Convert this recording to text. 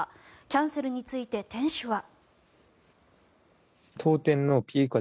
キャンセルについて店主は。